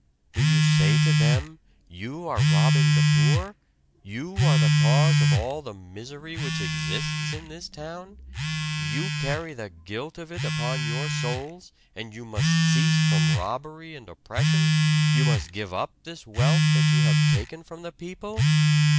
Do you say to them: 'You are robbing the poor. You are the cause of all the misery which exists in this town you carry the guilt of it upon your souls. And you must cease from robbery and oppression you must give up this wealth that you have taken from the people!'